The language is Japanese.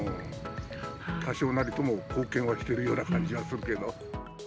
多少なりとも貢献はしてるような感じはするけど。